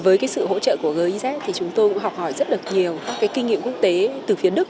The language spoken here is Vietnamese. với sự hỗ trợ của giz chúng tôi học hỏi rất nhiều các kinh nghiệm quốc tế từ phía đức